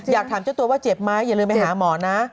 อยากถามเจ้าตัวว่าเจ็บไหมอย่าลืมไปหาหมอนะ